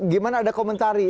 gimana ada komentari